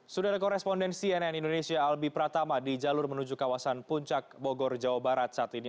sudah ada korespondensi nn indonesia albi pratama di jalur menuju kawasan puncak bogor jawa barat saat ini